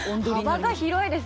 幅が広いですね。